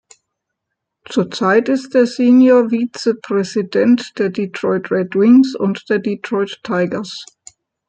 Zurzeit ist er Senior Vize-Präsidenten der Detroit Red Wings und der Detroit Tigers.